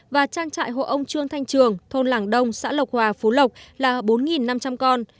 và trang trại hộ ông trương thanh trường thôn làng đông xã lộc hòa phú lộc là bốn năm trăm linh con